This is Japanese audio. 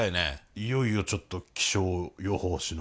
いよいよちょっと気象予報士の。